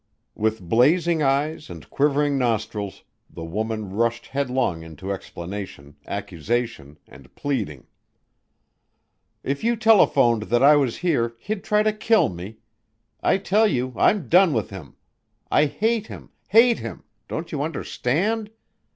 With blazing eyes and quivering nostrils, the woman rushed headlong into explanation, accusation and pleading. "If you telephoned that I was here he'd try to kill me. I tell you I'm done with him! I hate him hate him; don't you understand?